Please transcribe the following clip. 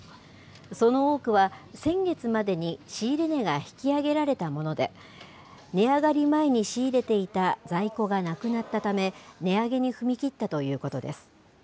その多くは先月までに仕入れ値が引き上げられたもので、値上がり前に仕入れていた在庫がなくなったため、値上げに踏み切ったということです。